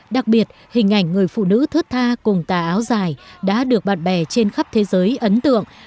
đặc biệt hình ảnh người phụ nữ thớt tha cùng tà áo dài đã được bạn bè trên khắp thế giới ấn tượng